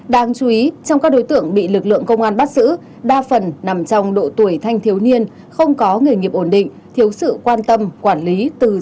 đáng chú ý trong các đối tượng bị lực lượng công an bắt giữ đa phần nằm trong độ tuổi thanh thiếu niên không có nghề nghiệp ổn định thiếu sự quan tâm quản lý từ